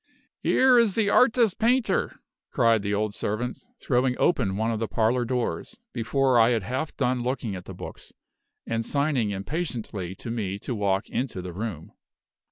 "Here is the Artist Painter!" cried the old servant, throwing open one of the parlor doors, before I had half done looking at the books, and signing impatiently to me to walk into the room.